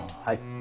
はい。